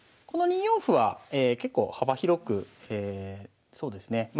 この２四歩は結構幅広くそうですね